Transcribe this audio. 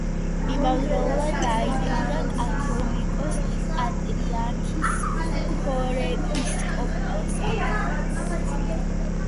იმავდროულად დაინიშნა კათოლიკოს-პატრიარქის ქორეპისკოპოსად.